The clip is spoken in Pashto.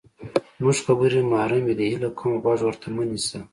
زمونږ خبرې محرمې دي، هیله کوم غوږ ورته مه نیسه!